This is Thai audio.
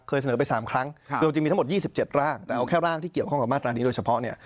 เสนอไป๓ครั้งคือมันจะมีทั้งหมด๒๗ร่างแต่เอาแค่ร่างที่เกี่ยวข้องกับมาตรานี้โดยเฉพาะเนี่ย